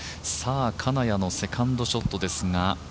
金谷のセカンドショットですが。